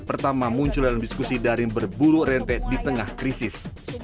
pertama muncul dalam diskusi daring berburu rente di tengah krisis